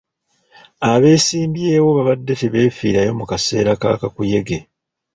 Abeesimbyewo baabadde tebeefiirayo mu kaseera ka kakuyege.